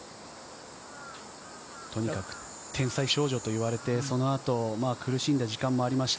とにかく、天才少女といわれてそのあと苦しんだ時間もありました。